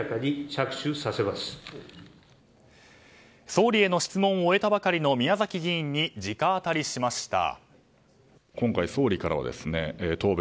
総理への質問を終えたばかりの宮崎議員に直アタリしました。